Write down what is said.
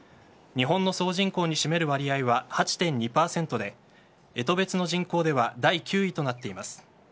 日本の総人口に占める割合は８．２％で干支別の人口では第９位となっています。